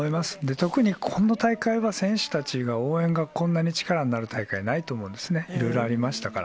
特にこの大会は、選手たちが応援がこんなに力になる大会、ないと思うんですね、いろいろありましたから。